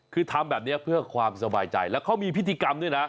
คือทำแบบนี้เพื่อความสบายใจแล้วเขามีพิธีกรรมด้วยนะ